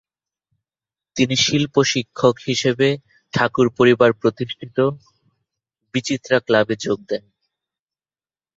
তিনি শিল্প-শিক্ষক হিসাবে ঠাকুর পরিবার প্রতিষ্ঠিত "বিচিত্রা ক্লাবে" যোগ দেন।